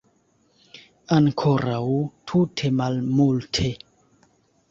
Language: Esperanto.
Ankoraŭ tute malmulte.